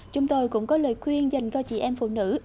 chúng tôi cũng có lời khuyên dành cho chị em phụ nữ